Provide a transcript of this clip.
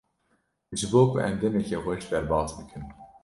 Ji bo ku em demeke xweş derbas bikin.